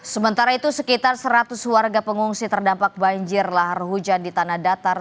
sementara itu sekitar seratus warga pengungsi terdampak banjir lahar hujan di tanah datar